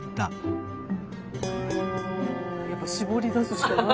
やっぱ絞り出すしかない。